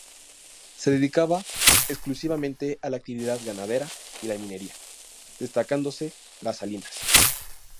Se dedicaba exclusivamente a la actividad ganadera y la minería, destacándose las salinas.